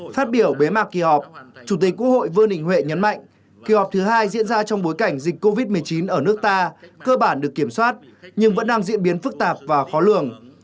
phát biểu bế mạc kỳ họp chủ tịch quốc hội vương đình huệ nhấn mạnh kỳ họp thứ hai diễn ra trong bối cảnh dịch covid một mươi chín ở nước ta cơ bản được kiểm soát nhưng vẫn đang diễn biến phức tạp và khó lường